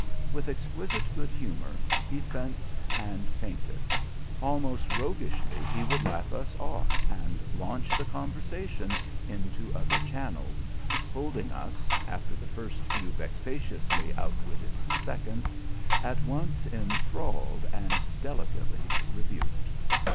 With exquisite good humour, he fenced and feinted. Almost roguishly he would laugh us off and launch the conversation into other channels, holding us after the first few vexatiously outwitted seconds at once enthralled and delicately rebuked.